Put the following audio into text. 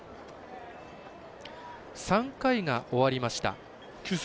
３回が終わりました。